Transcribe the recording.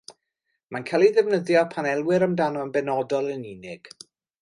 Mae'n cael ei ddefnyddio pan elwir amdano yn benodol yn unig.